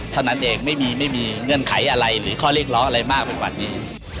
เท่านั้นเองไม่มีเงื่อนไขอะไรหรือข้อเรียกร้องอะไรมากไปกว่านี้